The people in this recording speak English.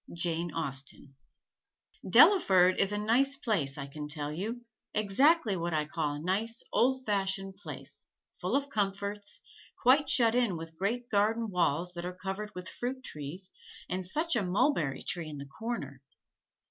JANE AUSTEN Delaford is a nice place I can tell you; exactly what I call a nice, old fashioned place, full of comforts, quite shut in with great garden walls that are covered with fruit trees, and such a mulberry tree in the corner.